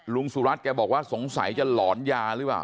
สุรัตนแกบอกว่าสงสัยจะหลอนยาหรือเปล่า